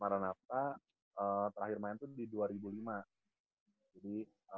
maranatha terakhir main tuh di dua ribu lima